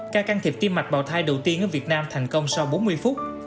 ca can thiệp tim mạch bào thai đầu tiên ở việt nam thành công sau bốn mươi phút